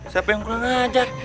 siapa yang kurang ajar